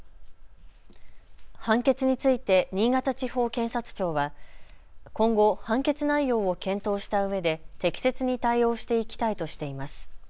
判決について新潟地方検察庁は今後、判決内容を検討したうえで適切に対応していきたいとしています。